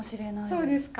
そうですか。